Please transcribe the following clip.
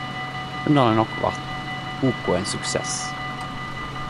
Underleg nok vart boka ein suksess.